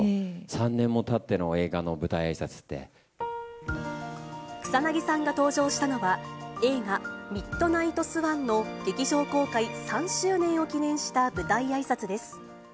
３年もたっての映画の舞台あいさ草なぎさんが登場したのは、映画、ミッドナイトスワンの劇場公開３周年を記念した舞台あいさつです。